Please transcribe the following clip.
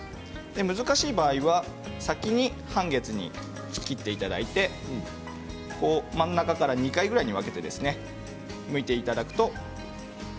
難しい場合には先に半月に切っていただいて真ん中から２回ぐらいに分けてむいていただくと。